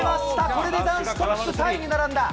これで男子トップタイに並んだ。